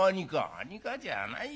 「何かじゃないよ。